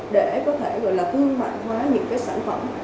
để có thể gọi là cương mạnh hóa những cái sản phẩm